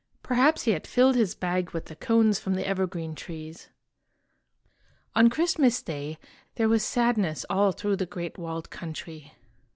Perhaps he had filled his bag with the cones from the evergreen trees. On Christmas Day there was sadness all through The Great Walled Country.